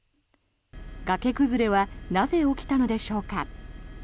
崖崩れはなぜ起きたのでしょうか。